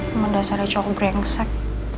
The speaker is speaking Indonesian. pemandasannya cowok brengsek